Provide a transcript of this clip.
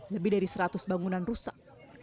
lebih dari seratus bangunan rusak